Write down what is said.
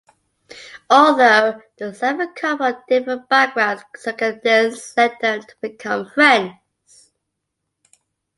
Although the seven come from different backgrounds, circumstance led them to become friends.